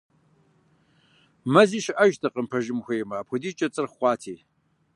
Мэзи щыӀэжтэкъым, пэжым ухуеймэ, апхуэдизкӀэ цӀырхъ хъуати.